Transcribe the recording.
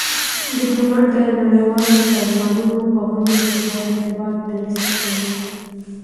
ډيپلومات د نړیوالو سازمانونو په غونډو کي د هېواد دریځ څرګندوي.